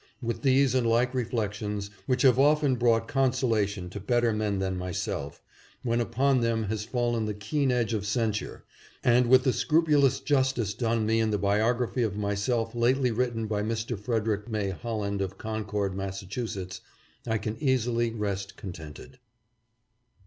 With these and like reflections, which have often brought consolation to better men than myself, when upon them has fallen the keen edge of censure, and with the scrupulous justice done me in the biography of myself lately written by Mr. Frederick May Holland of Concord, Massachusetts, I can easily rest contented.